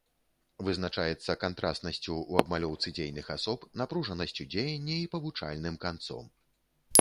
Вызначаецца кантрастнасцю ў абмалёўцы дзейных асоб, напружанасцю дзеяння і павучальным канцом.